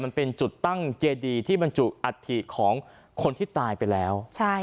มันเป็นจุดตั้งเจดีที่บรรจุอัฐิของคนที่ตายไปแล้ว